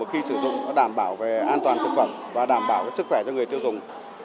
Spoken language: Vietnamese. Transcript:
khi sử dụng đảm bảo về an toàn thực phẩm và đảm bảo sức khỏe cho người tiêu dùng